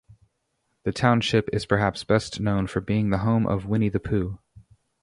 The township is perhaps best known for being the home of Winnie the Pooh.